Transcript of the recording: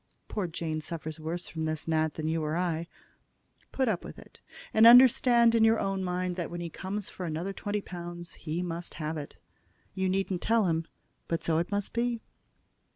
Poor Jane suffers worse from this gnat than you or I. Put up with it; and understand in your own mind that when he comes for another twenty pounds he must have it. You needn't tell him, but so it must be."